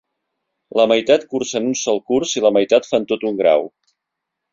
La meitat cursen un sol curs i la meitat fan tot un grau.